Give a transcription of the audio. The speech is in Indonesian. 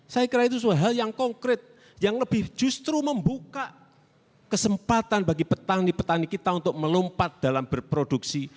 saya kira itu sebuah hal yang konkret yang lebih justru membuka kesempatan bagi petani petani kita untuk melompat dalam berproduksi